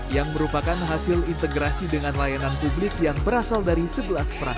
yang merupakan hasil integrasi dengan layanan publik yang berasal dari sebelas perak